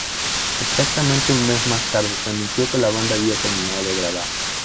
Exactamente un mes más tarde, se anunció que la banda había terminado de grabar.